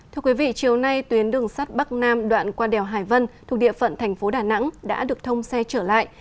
thưa quý vị chiều nay tuyến đường sắt bắc nam đoạn qua đèo hải vân thuộc địa phận thành phố đà nẵng đã được thông xe trở lại